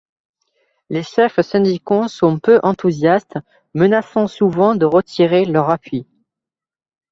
Les chefs syndicaux sont peu enthousiastes, menaçant souvent de retirer leur appui.